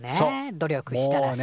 努力したらさ。